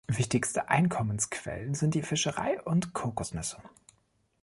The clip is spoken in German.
Wichtigste Einkommensquellen sind die Fischerei und Kokosnüsse.